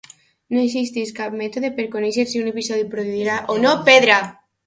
No existeix cap mètode per conèixer si un episodi produirà o no pedra.